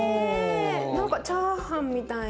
何かチャーハンみたいな。